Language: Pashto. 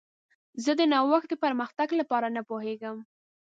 زه د نوښت د پرمختګ لپاره نه پوهیږم.